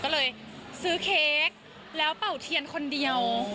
ก็เลยซื้อเค้กแล้วเป่าเทียนคนเดียว